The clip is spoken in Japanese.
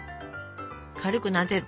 軽くなでる。